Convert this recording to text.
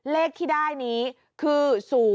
เลขที่ได้นี้คือ๐๕